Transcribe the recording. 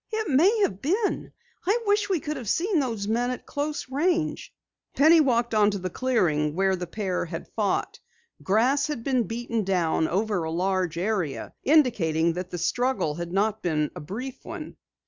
"It may have been. I wish we could have seen those men at close range." Penny walked on to the clearing where the pair had fought. Grass had been beaten down over a large area, indicating that the struggle had not been a brief one.